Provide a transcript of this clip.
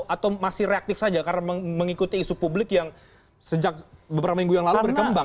atau masih reaktif saja karena mengikuti isu publik yang sejak beberapa minggu yang lalu berkembang